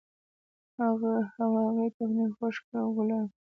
هغه هغې ته د خوښ محبت ګلان ډالۍ هم کړل.